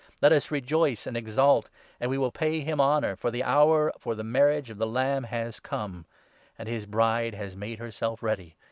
Let us rejoice and exult ; and we 7 will pay him honour, for the hour for the Marriage of the Lamb has come, and his Bride has made her self ready.